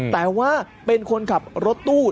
แต่ว่าเป็นคนขับรถตู้